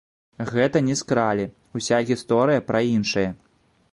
Гэта не скралі, уся гісторыя пра іншае.